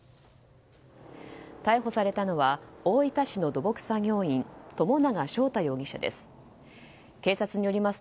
逮捕されたのは大分市の土木作業員友永翔太容疑者です。